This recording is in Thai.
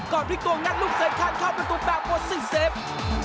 ก่อนพลิกตัวงัดลูกเส่นแถนเข้าประตูแบบปสิศิศิษฐ์